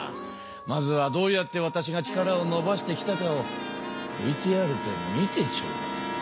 まずはどうやってわたしが力をのばしてきたかをＶＴＲで見てちょうだい。